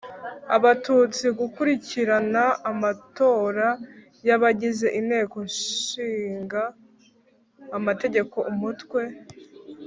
Abatutsi gukurikirana amatora y abagize Inteko Ishinga Amategeko Umutwe